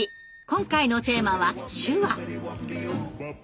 今回のテーマは「手話」！